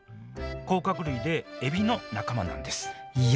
甲殻類でエビの仲間なんですいや